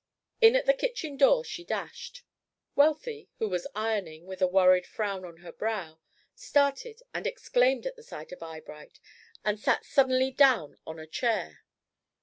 In at the kitchen door she dashed. Wealthy, who was ironing, with a worried frown on her brow, started and exclaimed at the sight of Eyebright, and sat suddenly down on a chair.